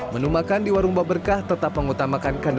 menu makan di warung boberkah tetap mengutamakan kandungan hidup